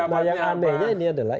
nah yang anehnya ini adalah